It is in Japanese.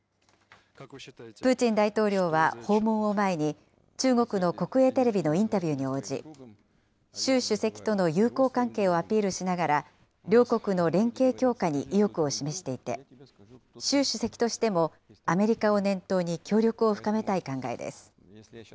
プーチン大統領は訪問を前に、中国の国営テレビのインタビューに応じ、習主席との友好関係をアピールしながら、両国の連携強化に意欲を示していて、習主席としてもアメリカを念頭に協力を深めたい考えです。